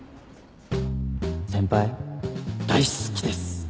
先輩大好きです！